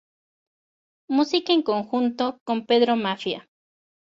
Música en conjunto con Pedro Maffia.